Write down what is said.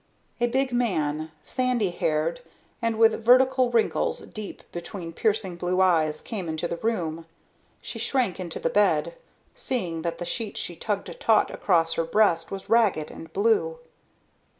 A big man, sandy haired and with vertical wrinkles deep between piercing blue eyes, came into the room. She shrank into the bed, seeing that the sheet she tugged taut across her breast was ragged and blue.